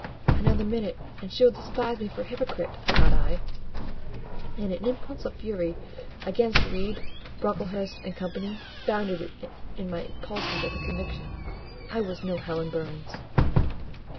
"Another minute, and she will despise me for a hypocrite," thought I; and an impulse of fury against Reed, Brocklehurst, and Co. bounded in my pulses at the conviction. I was no Helen Burns.